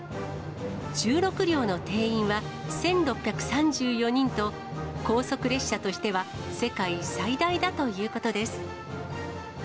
１６両の定員は１６３４人と、高速列車としては世界最大だということです。